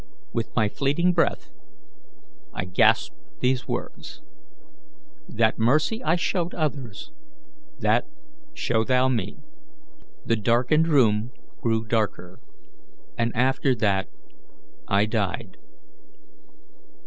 With my fleeting breath I gasped these words, 'That mercy I showed others, that show thou me.' The darkened room grew darker, and after that I died.